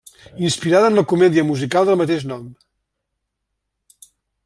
Inspirada en la comèdia musical del mateix nom.